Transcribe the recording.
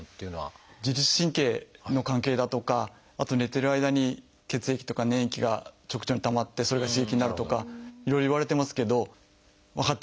自律神経の関係だとかあと寝てる間に血液とか粘液が直腸にたまってそれが刺激になるとかいろいろいわれてますけど分かってないです。